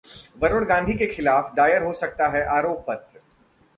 वरुण गांधी के खिलाफ दायर हो सकता है आरोप पत्र